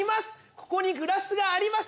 ここにグラスがあります。